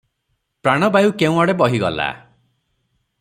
ପ୍ରାଣବାୟୁ କେଉଁଆଡ଼େ ବହିଗଲା ।